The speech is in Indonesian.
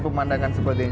pemandangan seperti ini